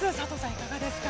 いかがですか。